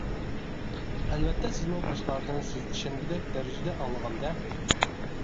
ئەلۋەتتە سىزمۇ باشقىلاردىن سىز ئىشەنگۈدەك دەرىجىدە ئاڭلىغان-دە!